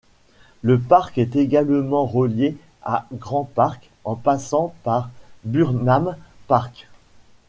Le parc est également relié à Grant Park, en passant par Burnham Park.